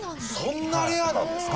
そんなレアなんですか。